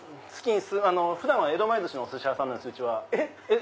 普段は江戸前ずしのおすし屋さんなんですうちは。